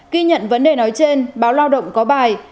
ghi nhận vấn đề nói trên báo lao động có bài